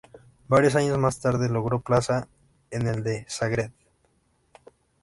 Varios años más tarde logró plaza en el de Zagreb.